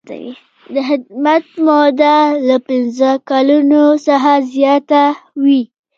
د خدمت موده له پنځه کلونو څخه زیاته وي.